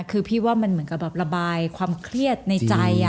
คือพี่ว่ามันการระบายความเครียดในใจ